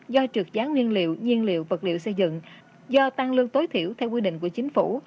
do trượt giá nguyên liệu nhiên liệu vật liệu xây dựng do tăng lương tối thiểu theo quy định của chính phủ